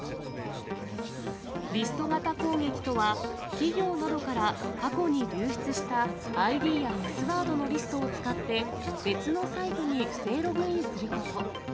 リスト型攻撃とは、企業などから過去に流出したＩＤやパスワードのリストを使って、別のサイトに不正ログインすること。